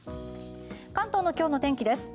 関東の今日の天気です。